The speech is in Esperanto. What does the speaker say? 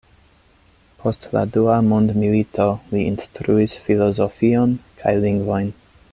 Post la dua mondmilito li instruis filozofion kaj lingvojn.